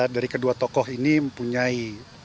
dari kedua tokoh ini mempunyai